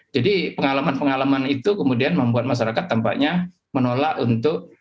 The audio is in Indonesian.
jadi pengalaman pengalaman itu kemudian membuat masyarakat tampaknya menolak untuk